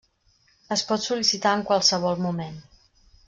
Es pot sol·licitar en qualsevol moment.